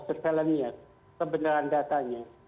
tergantung kebenaran datanya